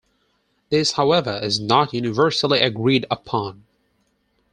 This however is not universally agreed upon.